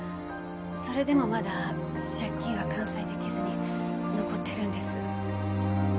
それでもまだ借金は完済できずに残ってるんです。